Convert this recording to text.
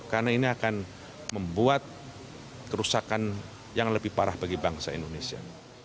karena ini akan membuat kerusakan yang lebih parah bagi bangsa indonesia